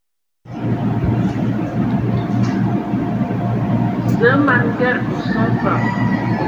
Zǝə ma n Nged nso fa.